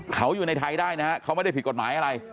เขาอยู่ในไทยได้นะฮะเขาไม่ได้ผิดกฎหมายอะไร